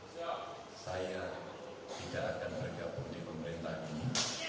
saya tidak akan bergabung di pemerintahan ini